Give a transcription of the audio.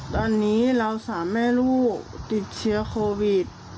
ตอนนี้เราสามแม่ลูกติดเชื้อโควิด